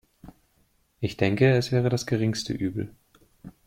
Ich denke, es wäre das geringste Übel.